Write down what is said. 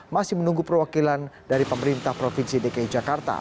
masih menunggu perwakilan dari pemerintah provinsi dki jakarta